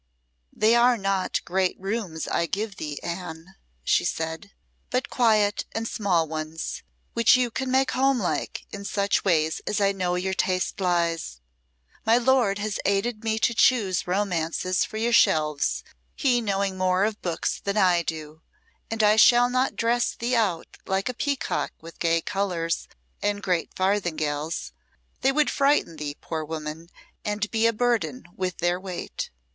"They are not great rooms I give thee, Anne," she said, "but quiet and small ones, which you can make home like in such ways as I know your taste lies. My lord has aided me to choose romances for your shelves, he knowing more of books than I do. And I shall not dress thee out like a peacock with gay colours and great farthingales. They would frighten thee, poor woman, and be a burden with their weight.